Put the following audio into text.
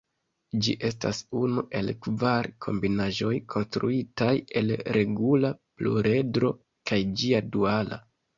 Ĝi estas unu el kvar kombinaĵoj konstruitaj el regula pluredro kaj ĝia duala.